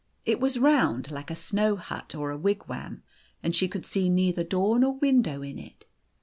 It was round, like a snow hut or a wisrwam ; and she could see neither door O t nor window in it.